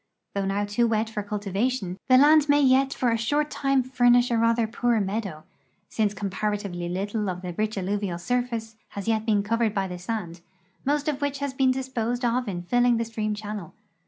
Though now too wet for cultivation. 154 APPLIED PHYSIOGRAPHY IN SOUTH CAROLINA the land ma}^ yet for a short time furnish a rather poor meadow, since comparatively little of the rich alluvial surface has yet been covered by the sand, most of which has been disposed of in filling the stream channel.